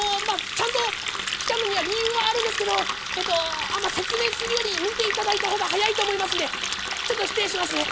ちゃんと来たのには理由はあるんですけどえっと説明するより見た方が早いと思いますんでちょっと失礼しますね。